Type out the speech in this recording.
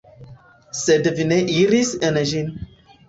Sed vi ne iris en ĝin.